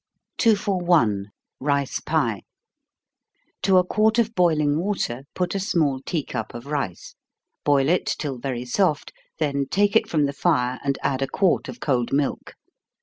241. Rice Pie. To a quart of boiling water, put a small tea cup of rice. Boil it till very soft, then take it from the fire, and add a quart of cold milk.